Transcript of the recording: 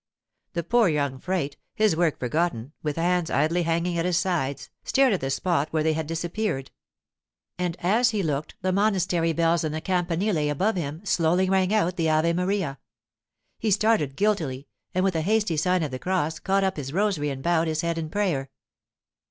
The poor young frate, his work forgotten, with hands idly hanging at his sides, stared at the spot where they had disappeared. And as he looked, the monastery bells in the campanile above him slowly rang out the 'Ave Maria.' He started guiltily, and with a hasty sign of the cross caught up his rosary and bowed his head in prayer.